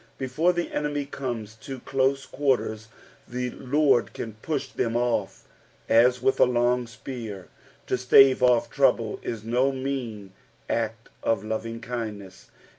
Before the enemy comes to close tiuattcrs the Lord can push them off as with a long spear. To stave ofT trouble is no mean act of lovingkindness.